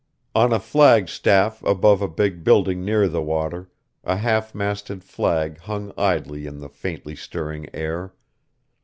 On a flag staff above a big building near the water, a half masted flag hung idly in the faintly stirring air.